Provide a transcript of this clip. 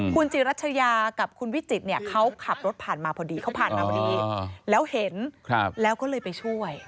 คุณจิรัชยากับคุณวิจิตเขาขับรถผ่านมาพอดีแล้วเห็นแล้วก็เลยไปช่วย